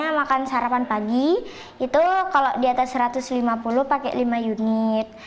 karena makan sarapan pagi itu kalau di atas satu ratus lima puluh pakai lima unit